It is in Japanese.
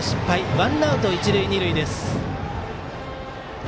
ワンアウト、一塁二塁です。